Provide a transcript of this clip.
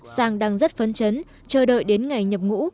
sang đang rất phấn chấn chờ đợi đến ngày nhập ngũ